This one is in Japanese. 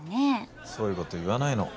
そういうこと言わないの。